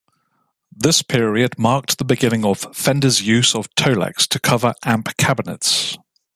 This period marked the beginning of Fender's use of Tolex to cover amp cabinets.